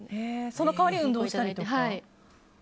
その代わり運動したりとか。